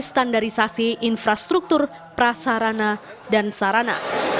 standarisasi infrastruktur prasarana dan sarana